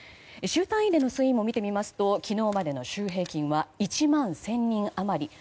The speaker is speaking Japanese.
週単位での推移も見てみますと昨日までの週平均は１万１０００人余り。